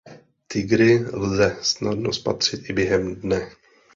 Tygry lze snadno spatřit i během dne.